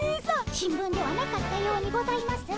新聞ではなかったようにございますが。